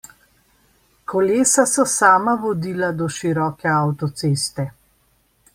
Kolesa so sama vodile do široke avtoceste.